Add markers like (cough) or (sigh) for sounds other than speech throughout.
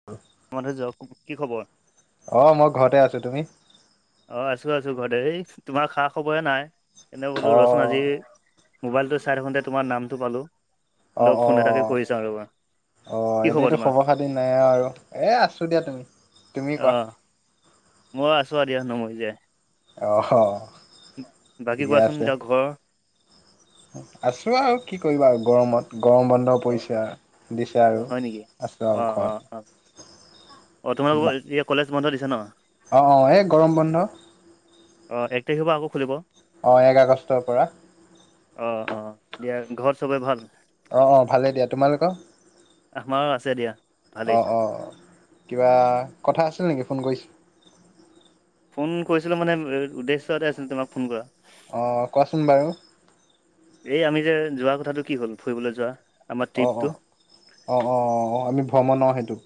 (unintelligible) সময়তো যক। কি খবৰ? অঁ মই ঘৰতে আছোঁ। তুমি? অ আছো আছো ঘৰতে। এই তোমাৰ খা খবৰে নাই? এনে বোলো অ ৰচোন আজি। মোবাইলটো চাই থাকোঁতে তোমাৰ নামটো পালোঁ অ বুলু ফোন এটাকে কৰিছাওঁ ৰ'বা? অঁ কি এনেইতো তোমাৰ? খবৰ খাতি নাই আৰু এ আছোঁ দিয়া তুমি তুমি কোৱা? অহ মই আছো অ দিয়া নমৰি জীয়াই। অ হ। বাকী কোৱাচোন এতিয়া ঘৰ? আছো আওকি কৰিবা আৰু গৰমত গৰম বন্ধ। অ পৰিছে দিছে অ আৰু হয় নেকি? আছোঁ অ আও অ ঘৰতে। অ অ তোমালোকৰ এতিয়া কলেজ বন্ধ দিছে ন। অঁ অঁ এই গৰম বন্ধ। অঁ এক তাৰিখৰ পৰা আকৌ খুলিব। অ এক আগষ্টৰ পৰা অঁ অঁ দিয়া ঘৰত চবৰে ভাল। অঁ অঁ ভালেই দিয়া। তোমালোকৰ? আমাৰো আছে দিয়া। ভালেই। অঁ অঁঁ কিবা কথা আছিল নেকি ফোন কৰিছে। ফোন কৰিছিলো মানে উদ্দেশ্য এটা আছিলে তোমাক ফোন কৰা। অঁ কোৱাচোন বাৰু। এই আমি যে যোৱা কথাটো কি হ'ল ফুৰিবলে যোৱা। আমাৰ অঁ ট্ৰিপটো? অঁ অঁ অঁ অঁ অঁ আমি ভ্ৰমণৰ সেইটো।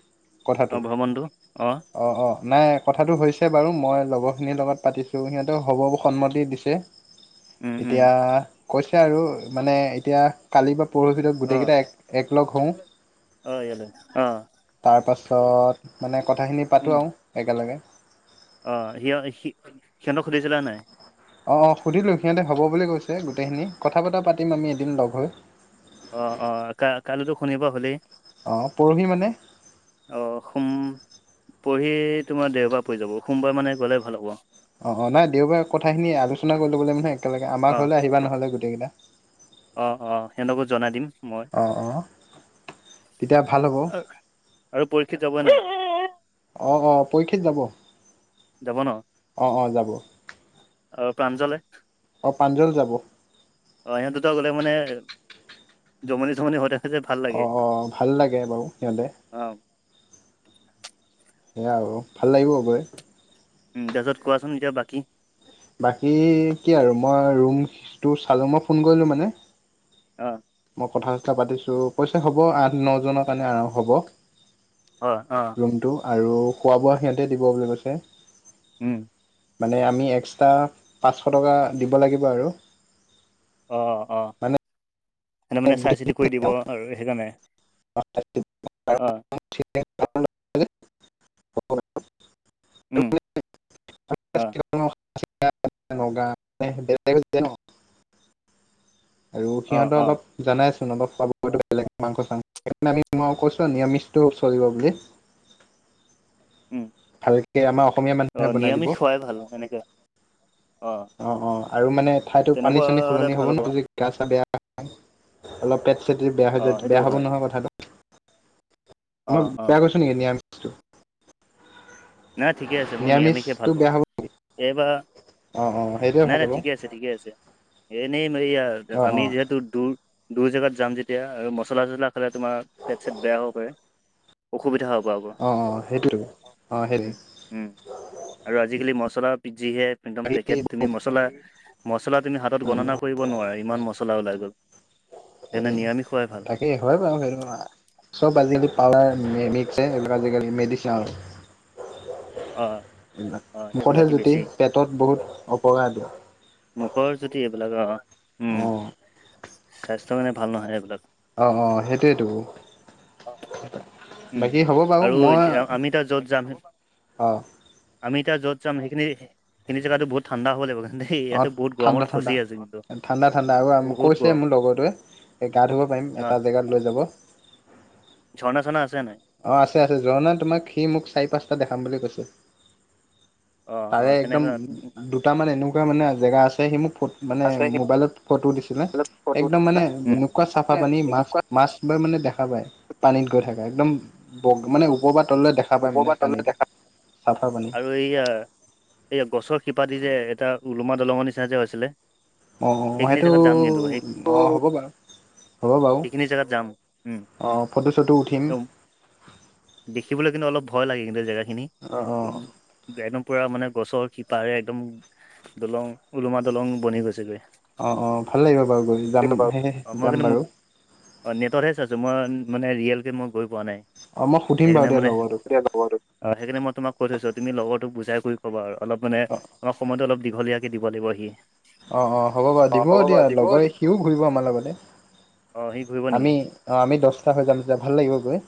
কথাটো অ ভ্ৰমণটো অ অ অ নাই কথাটো হৈছে বাৰু মই লগৰখিনিৰ লগত পাতিছো সিহঁতৰ হ'ব সন্মতি দিছে। উম উম এতিয়া কৈছে আৰু মানে এতিয়া কালি বা পৰহি ভিতৰত অ গোটেইকেইটা একলগ হওঁ। অ ইয়াতে অ তাৰপাছত মানে কথাখিনি উম পাতোঁ আৰু একেলগে। অ সিহঁ সি সিহঁতক সুধিছিলা নাই? অঁ সুধিলোঁ সিহঁতে হ'ব বুলি কৈছে গোটেইখিনি কথা বতা পাতিম আমি এদিন লগ হৈ। অঁ অঁ কা কাইলৈতো শনিবাৰ হ'লেই। অঁ পৰহি মানে। অঁ সোম পৰহি তোমাৰ দেওবাৰ পৰি যাব সোমবাৰ মানে গ'লে ভাল হ'ব। অ নাই দেওবাৰে কথাখিনি আলোচনা কৰি ল'ব লাগিব নহয় একেলগে আমাৰ অ ঘৰলে আহিবা নহ'লে গোটেইকেইটাই অ অ সিহঁতকো জনাই দিম মই অ অ তেতিয়া ভাল হ'ব আৰু আৰু পৰীক্ষিত যাব নাই অ অ পৰীক্ষিত যাব যাব ন অ অ যাব আৰু প্ৰাঞ্জলে অ প্ৰাঞ্জল যাব অ সিহঁত দুটা গ'লে মানে জমনি চমনি হৈ থাকে যে ভাল অ লাগে ভাল লাগে বাৰু সিহঁতে অ সেয়া আৰু ভাল লাগিব গৈ উম তাৰপিছত কোৱাচোন এতিয়া বাকী বাকী কি আৰু মই ৰুমটো চালো মই ফোন কৰিলো মানে অ মই কথা চতা পাতিছো কৈছে হ'ব আঠ নজনৰ কাৰণে হ'ব অ অ ৰুমটো আৰু খোৱা বোৱা সিহঁতে দিব বুলি কৈছে উম মানে আমি এক্সট্ৰা পাঁচশ টকা দিব লাগিব আৰু অ অ মানে সিহঁতে মানে চাই চিতি কৰি দিব আৰু সেইকাৰণে অ উম অ (unintelligible) আৰু অ সিহঁতৰ অ অলপ জানাইছোন আমাৰ খোৱা বোৱাটো বেলেগ মাংস চাংখ সেইকাৰণে মই কৈছো নিৰামিষটো চলিব বুলি। উম। এই আমাৰ অসমীয়া মানুহে বনাই দিব। নোখোৱাই ভাল সেনেকে অ। অ অ আৰু মানে ঠাইতো পানী তেনেকুৱা চানী হলে সলনি ভাল হ'ব ন। গা চা বেয়া অলপ পেট চেট যদি বেয়া হৈ অ যায় সেইটো বেয়া হ'ব হয় নহয় কথাটো। অ মই অ বেয়া কৈছো নেকি নিৰামিষ নাই ঠিকে আছে মই নিৰামিষেইে ভাল নিৰামিষটো পাওঁ। বেয়া হ'ব এইবাৰ অ অ সেইটোৱে নাই ভাল নাই হ'ব ঠিকে আছে ঠিকে আছে। এনে অ অ এইয়া আমি যিহেতু দূৰ দূৰ জেগাত যাম যেতিয়া আৰু মছলা চছলা খালে তোমাৰ পেট চেট বেয়া হ'ব পাৰে। অসুবিধা হ'ব আকৌ। অ সেইটোতো অ সেইটোৱে উম উম আৰু আজিকালি মছলা যিহে একদম পেকেট সেই তুমি মছলা মছলা তুমি হাতত গণনা কৰিব নোৱাৰা ইমান মছলা ওলাই গ'ল। সেইকাৰণে এই নিৰামিষ খোৱাই ভাল তাকে হয় বাৰু সেইটো চব আজিকালি পাউদাৰ মিক্সাৰ এইবিলাক আজিকালি মেডিছেন আৰু (inaudible) অ মুখতহে সেইবিলাকে জুতি বেছি পেটত বহুত অপকাৰ দিয়ে। মুখৰ যুটি এইবিলাক অ উম অ স্বাস্থ্য কাৰণে ভাল নহয় এইবিলাক। অ অ সেইটোৱেতো। উম বাকী হ'ব বাৰু আৰু মই এতিয়া আমি তাত য'ত যাম হে অ আমি এতিয়া যত যাম সেইখিনি সেইখিনি জেগাতো বহুত ঠাণ্ডা হব লাগিব কিন্তু দেই অ ইয়াতে বহুত ঠাণ্ডা গৰমত ঠাণ্ডা। ফচি আছো কিন্তু ঠাণ্ডা ঠাণ্ডা আৰু বহুত কৈছে গৰম মোৰ লগৰটোৱে গা ধুব পাৰিম অ এটা জেগাত লৈ যাব। ঝৰ্ণা ঝৰ্ণা আছে নাই? অ আছে আছে ঝৰ্ণা তোমাক সি মোক চাৰি পাঁচটা দেখাম বুলি কৈছে। অ অ তাৰে একদম তেনেকা দুটামান এনেকুৱা মানে জেগা আছে সি মোক মানে আছে মোবাইলত ফটো দিছিলে। ফটো একদম দিছিলে মানে এনেকুৱা চাফা পানী মাছ এনেকুৱা মাছবোৰ মানে দেখা পায় পানীত গৈ থাকা একদম ব মানে ওপৰৰ পৰা তললৈ দেখা পায় ওপৰ মানে পৰা তললে পানীটো দেখা চাফা পানী। আৰু এইয়া এইয়া গছৰ শিপা দি যে এটা ওলোমা দলঙৰ নিচিনা যে হৈছিলে। অ অ সেইখিনি সেইটো জেগাত যাম কিন্তু সেই অ হ'ব বাৰু হ'ব বাৰু সেইখিনি জেগাত যাম অ ফটো চটো উঠিম উম। দেখিবলৈ কিন্তু অলপ ভয় লাগে কিন্তু জেগা খিনি অ অ অ একদম পুৰা মানে গছৰ শিপাৰে একদম দলং ওলোমা দলং বনি গৈছেগৈ। অ অ ভাল লাগিব বাৰু গৈ যাম অ, সেয়েহ মই কিন্তু যাম মো- বাৰু। অ নেটতৰহে চাইছো মই মানে ৰিয়েলকে মই গৈ পোৱা নাই অ', মই সুধিম বাৰু সেইকাৰণে দিয়া মানে লগৰটোক। (unintelligible) অ সেইকাৰণে মই তোমাক কৈ থৈছো তুমি লগৰটোক বুজাই কৰি কবা অলপ মানে অলপ সময়টো অলপ দীঘলীয়াকে দিব লাগিব সি। অ অ হ'ব বাৰু দিব দিয়া লগৰ সিও ঘূৰিব আমাৰ লগতে। অ সি ঘূৰিব নেকি আমি অ আমি দহটা হৈ যাম যেতিয়া ভাল লাগিব গৈ।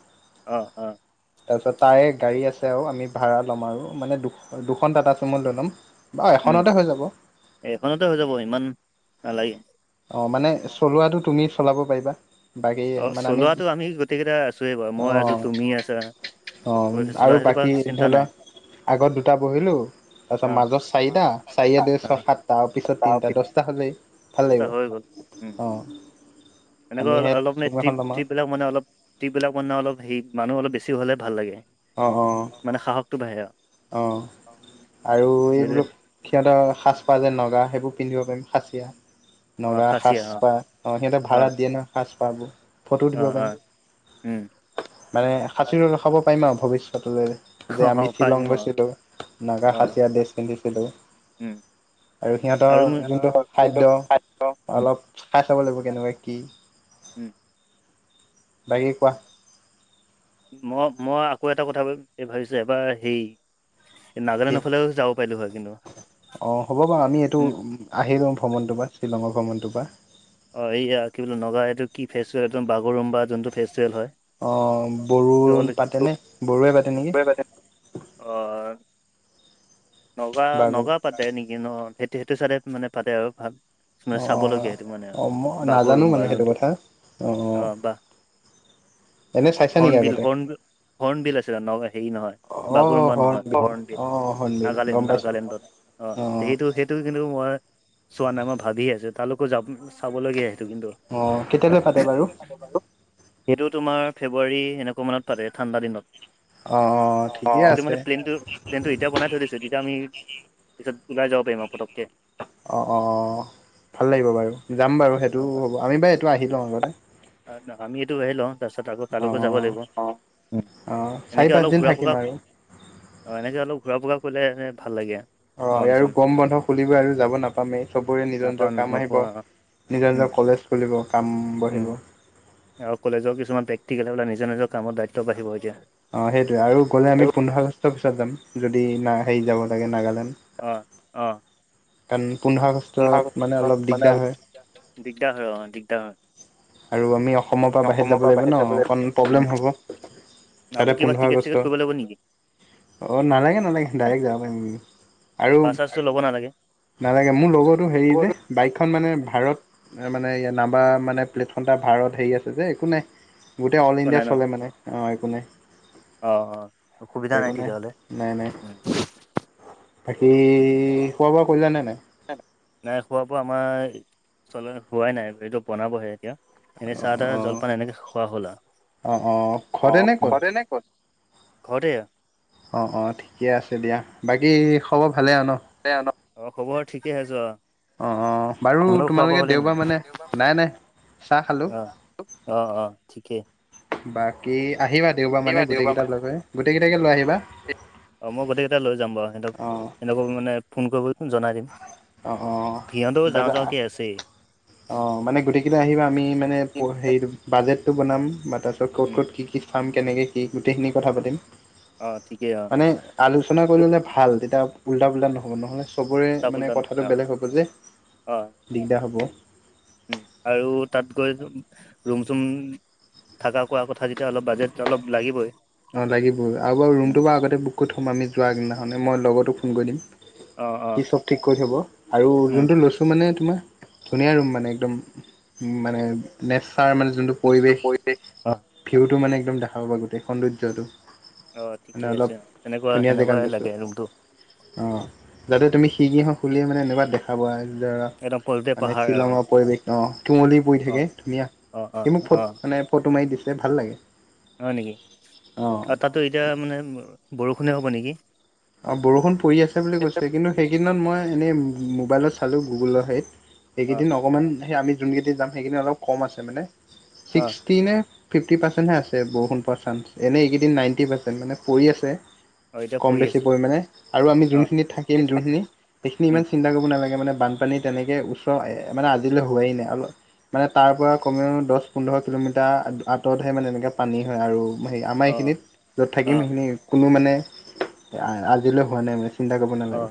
অ অ তাৰপিছত তাৰে গাড়ী আছে আও আমি ভাড়া ল'ম আৰু মানে দু দুখন টাটা চুমু লৈ ল'ম। বাৰু এখনতে হৈ যাব। এখনতে হৈ যাব ইমান নালাগে। অ মানে চলোৱাটো তুমি চলাব পাৰিবা। বাকী অ মানে চলোৱাটো আমি গোটেইকেইটা আছোৱে বাৰু মই আছো তুমি আছা। অহ চলোৱা আৰু সেইটো পৰা বাকী চিন্তা ধৰি লোৱা, নাই আগত দুটা বহিলোঁ। তাৰপিছত অ মাজত চাৰিটা চাৰিয়ে দুইয়ে অ সাতটা পিছত তিনিটা দহটা হ'লেই। দহটা হৈ গ'ল। উম অহ, এনেকৈ আমি হেত অলপ মানে ট্ৰিপ ট্ৰিপ বিলাক মানে অলপ ট্ৰিপ বিলাক মানে অলপ হে মানুহ অলপ বেছি হ'লে ভাল লাগে। অহ অ। মানে সাহসটো বাঢ়ে আও অহ, আৰু যিহেতু এইবোৰক সিহঁতৰ সাজপাৰ যে নগা সেইবোৰ পিন্ধিব পাৰিম খাচিয়া। অ নগা খাচিয়া অ সাজপাৰ অ সিহঁতে ভাড়াত দিয়ে ন সাজপাৰ বোৰ ফটো অ উঠিব অ পাৰিম, উম মানে সাঁচি ৰাখাব পাৰিম আও ভৱিষ্যতলৈ অ যে আমি হক। শ্বিলং গৈছিলো নাগা হাচিয়া ড্ৰেছ পিন্ধিছিলো। উম আৰু সিহঁতৰ যোনটো খাদ্য, উম, অলপ খায় চাব লাগিব কেনেকুৱা কি! উম। বাকী কোৱা। মই মই আকৌ এটা কথা ভাবিছো এবাৰ হেই এই নাগালেণ্ডৰ ফালেও যাব পাৰিলো হয় কিন্তু। অঁ হ'ব বাৰু আমি এইটো উম, আহি লওঁ ভ্ৰমণটোৰ পৰা শ্বিলঙৰ ভ্ৰমণটোৰ পৰা। অ এইয়া কি বোলে নগা এইটো কি ফেচ হয় বাগৰুম্বা যোনটো ফেষ্টভেল হয়। অ বড়ো পাতেনে বড়োৱে পাতে নেকি? অ নগা বাৰু নগা পাতে নেকি ন? সেইটো সেইটো চাইডে মানে পাতে আৰু ভাল মানে অ চাবলগীয়া অ সেইটো মানে আও, অ মই নাজানো বাগৰুম্বা মানে সেইটো যোনটো কথা অ অ অঁহ বা এনে চাইছা নেকি হৰ্ণবিল আগতে হণ হৰ্ণ বিল আছে ছিলে নগা হেৰি নহয় অ বাগুৰুম্বা নহয় হৰ্ণবিল অ হৰ্ণবিল নাগালেণ্ড, গম পাইছোঁ নাগালেণ্ডত অ সেইটো সেই সেইটো কিন্তু মই, চোৱা নাই মই ভাবি আছো তালোকো যাব চাবলগীয়া সেইটো কিন্তু। অঁহ কেতিয়ালৈ পাতে বাৰু? সেইটো তোমাৰ ফেব্ৰুৱাৰী এনেকুৱা মানত পাতে ঠাণ্ডা দিনত। অঁহ। অঁ, সেইটো মানে প্লেনটো প্লেনটো এতিয়া বনাই থৈ দিছোঁ, তেতিয়া আমি, পিছত ওলাই যাব পাৰিম আৰু পটকে। অঁহ অঁহ ভাল লাগিব বাৰু, যাম বাৰু সেইটো হ'ব আমি বাৰু এইটো আহি লম আগতে। ন আমি এইটো আহি লওঁ। তাৰপিছত আকৌ অ তালোকো যাব লাগিব, অঁ উম, অ চাৰি এনেকে অলপ পাঁচদিন ঘুৰা থাকিম ফকা আৰু অঁ এনেকে অলপ ঘূৰা ফুৰা কৰিলে মানে ভাল লাগে আ। অ আৰু গম বন্ধ খুলিবই আৰু যাব নাপামেই চবৰে নিজৰ নাপা নিজৰ কাম আহিব। নোপোৱা নিজৰ নিজৰ উম কলেজ খুলিব কাম উম বহিব। আৰু কলেজৰ কিছু প্ৰেক্টিকেলে নিজ নিজৰ কামৰ দায়িত্ব বাঢ়িব এতিয়া। অঁহ সেইটোৱে আৰু গ'লে আমি পোন্ধৰ আগষ্টৰ পিছত যাম যদি না হেৰি যাব লাগে নাগালেণ্ড। অঁ অঁ। কাৰণ পোন্ধৰ আগষ্টত মানে অলপ দিগদাৰ হয়। দিগদাৰ হয় অঁ দিগদাৰ হয়। আৰু আমি অসমৰ পৰা বাহিৰত যাব লাগিব ন, অকণ প্ৰব্লেম হ'ব। তাতে আকৌ কিব টিকেট চিকেট কৰিব লাগিব নেকি? অঁহ নালাগে নালাগে ডাইৰেক্ট যাব পাৰিম আমি আৰু বাছ চাছটো ল'ব নালাগে? নালাগে মোৰ লগতো হেৰি যে বাইকখন মানে ভাৰত মানে ইয়াৰ নাম্বাৰ মানে প্লেটখন তাৰ ভাৰত হেৰি আছে যে একো নাই গোটেই অল একো ইণ্ডিয়া নাই ন চলে মানে অঁহ একো নাই। অ অ অসুবিধা নাই একো তেতিয়া হ'লে। নাই নাই বাকী খোৱা বোৱা কৰিলানে নাই? নাই খোৱা বোৱা আমাৰ চল হোৱাই নাই এইটো বনাবহে এতিয়া। এনেই চাহ তাহ অ অ জলপান এনেকে খোৱা হ'ল অ অ আও। ঘৰতে নে অঁ ক'ত ঘৰতে নে? ঘৰতে এইয়া। অঁ অঁ ঠিকে আছে দিয়া, বাকী খবৰ ভালে আও ন। আও ন খবৰ ঠিকে যোৱা। অঁ অঁ বাৰু তোমালোকে দেওবাৰ মানে, নেকি নাই নাই চাহ খালো। অ অ অ ঠিকে। বাকী আহিবা দেওবাৰ মানে গোটেই কেইটা লগ হৈ, গোটেই কেইটাকে লৈ আহিবা। অ মই গোটেই লৈ যাম বাৰু সিহঁতক অ', হেহঁতক মানে ফোন কৰিব জনাই দিম, অ', অ', সিহঁতও যাওঁ যাওঁকৈ আছেই। অঁ মানে গোটেইকেইটা আহিবা, আমি মানে হেৰিটো বাজেটটো বনাম বা তাৰপিছত ক'ত উম ক'ত কি কি খাম কেনেকে কি গোটেইখিনি কথা পাতিম। অ' ঠিকেই অ'। মানে আলোচনা কৰি ল'লে ভাল, তেতিয়া উল্টা পুল্টা নহ'ব। নহ'লে চবৰে মানে চাপোলতান কথাটো অ বেলেগ হ'ব যে অ দিগদাৰ হ'ব। উম, আৰু তাত গৈ ৰুম চুম থকা কৰা কথা যেতিয়া অলপ বাজেট অলপ লাগিবই। অঁ লাগিবই, আৰু বাৰু উম ৰুমটো বাৰু আগতেই বুক কৰি থ'ম আমি যোৱা আগ দিনাখনে মই লগতোক ফোন কৰি দিম। অ', সি অ'। চব ঠিক কৰি থ'ব। আৰু উম যোনটো লৈছোঁ মানে তোমাৰ ধুনীয়া ৰুম মানে একদম মানে নেচাৰ মানে যোনটো পৰিৱেশ। ভিউটো মানে একদম দেখা পাবা গোটেই সৌন্দৰ্য্যটো। অ' ঠিকেই আছে অ', তেনেকুৱা জেগাত সেনেকুৱাই লৈছোঁ লাগে ৰুমটো। অ' যাতে তুমি খিৰিকী খন খুলিয়ে মানে এনেকুৱা দেখা পোৱা ধৰা একদম পলতে মানে পাহাৰ আৰু শ্বিলঙৰ পৰিৱেশ অ' কুৱলী পৰি অ থাকে, ধুনীয়া অ অ সি মোক অ ফট মানে ফটো মাৰি দিছে ভাল লাগে। হয় নেকি? অ আৰু তাতো এতিয়া মানে বৰষুণে হ'ব নেকি? বৰষুণ পৰি আছে বুলি কৈছে, কিন্তু সেই কেইদিনত মই এনেই মোবাইলত চালোঁ গুগলৰ হেৰিত অ সেইকেইদিন অকমান সেই আমি যোন কেইদিন যাম সেইকেইদিন অলপ কম আছে মানে। অ ছিক্সটি নে ফিফটি পাৰ্চেণ্টহে আছে বৰষুণ পৰা চাঞ্চ। এনেই এইকেইদিন নাইণ্টি পাৰ্চেণ্ট মানে পৰি আছে। অ' এতিয়া কম পৰি আছে বেছি পৰিমাণে। আৰু আমি অ যোনখিনিত থাকিম যোনখিনি সেইখিনি উম ইমান চিন্তা কৰিব নালাগে মানে। বানপানী তেনেকে ওচৰ মানে আজিলৈ হোৱাই নাই। অল মানে তাৰ পৰা কমেও দহ পোন্ধৰ কিলোমিটাৰ আঁতৰতহে মানে এনেকৈ পানী হয়। আৰু মাৰ হেৰি, আমাৰ অ এইখিনিত য'ত অ থাকিম সেইখিনি কোনো মানে আজিলৈ হোৱা নাই মানে। চিন্তা কৰিব নালাগে অঁ,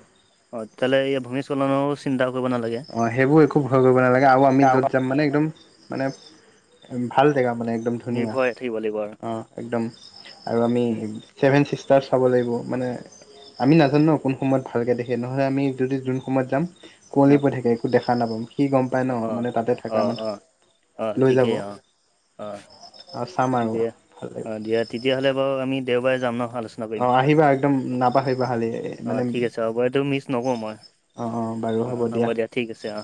অঁ তেতিয়াহ'লে এই ভূমিস্খলনৰও চিন্তা কৰিব নালাগে। অঁ সেইবোৰ একো ভয় কৰিব নালাগে। আৰু আমি য'ত যাম মানে একদম মানে ভাল জেগা মানে একদম ধুনীয়া নিৰ্ভয়ে থাকিব লাগিব আৰু অঁ একদম। আৰু আমি উম ছেভেন ছিষ্টাৰছ চাব লাগিব। মানে আমি নাজানো নহয় কোন সময়ত ভালকৈ দেখে? নহ'লে আমি যদি যোন সময়ত যাম অ কঁৱলি পৰি থাকে একো দেখা নাপাম। সি গ'ম পায় ন, অ মানে তাতে অ থকা অ অ মানু্হ লৈ যাব। ঠিকেই অ অ আৰু চাম আৰু দিয়া ভাল লাগিব অঁ দিয়া। তেতিয়াহ'লে বাৰু আমি দেওবাৰে যাম ন আলোচ অঁ আহিবা একদম নাপাহৰিবা খালি। অ মানে অঁ, ঠিক আছে হ'ব এইটো মিছ নকৰোঁ মই অঁ বাৰু অ হ'ব দিয়া। ঠিক আছে অ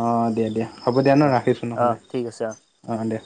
অঁ দিয়া দিয়া হ'ব দিয়া ন অ ৰাখিছোঁ অ নহ'লে ঠিক আছে অ অঁ দিয়া।